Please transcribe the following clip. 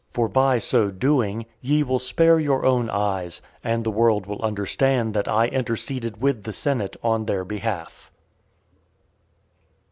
For by so doing, ye will spare your own eyes, and the world will understand that I interceded with the senate on their behalf."